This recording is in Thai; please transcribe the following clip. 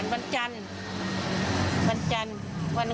เข้ามาดื่มทุกวัน